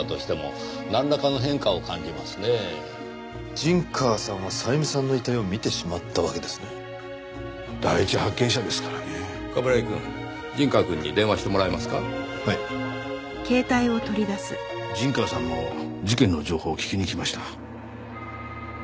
陣川さんも事件の情報を聞きに来ました。